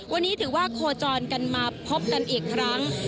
วันนี้ถือว่าโคจรกันมาพบกันอีกครั้ง